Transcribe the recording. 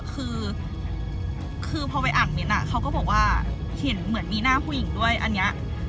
คือคือพอไปอ่านเมนต์เขาก็บอกว่าเห็นเหมือนมีหน้าผู้หญิงด้วยอันนี้